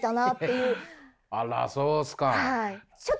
あらそうっすか。